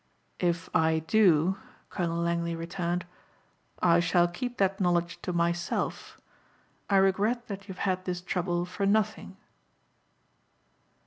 "If I do," Colonel Langley returned, "I shall keep that knowledge to myself. I regret that you have had this trouble for nothing."